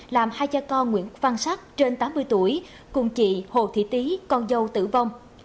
làm hai cha con nguyễn văn sắc trên tám mươi tuổi cùng chị hồ thị tý con dâu tử vong